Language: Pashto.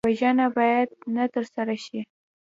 وژنه باید نه ترسره شي